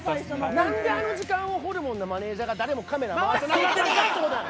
何であの時間をホルモンのマネジャーが誰もカメラ回さなかったんだ？